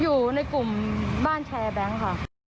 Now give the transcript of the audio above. อยู่ในกลุ่มบ้านแชร์แบงค์ค่ะ